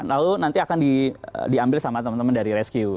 lalu nanti akan diambil sama teman teman dari rescue